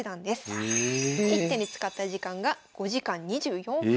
１手に使った時間が５時間２４分。